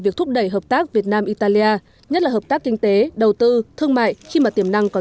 quan hệ hợp tác việt nam italia nhất là hợp tác kinh tế đầu tư thương mại khi mà tiềm năng còn